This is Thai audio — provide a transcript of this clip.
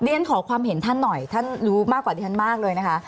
เดี๋ยวดิฉันขอความเห็นท่านหน่อยท่านรู้มากกว่าที่ท่านมากเลยนะคะ